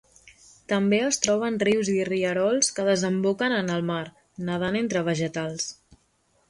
També es troba en rius i rierols que desemboquen en el mar, nedant entre vegetals.